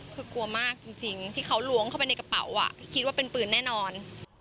คือกลัวมากจริงที่เขาล้วงเข้าไปในกระเป๋าพี่คิดว่าเป็นปืนแน่นอน